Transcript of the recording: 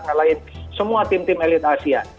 ngelahin semua tim tim elite asia